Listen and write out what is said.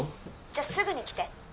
じゃあすぐに来て。